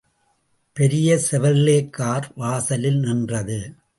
பெரிய Chevrolet car வாசலில் நின்றது.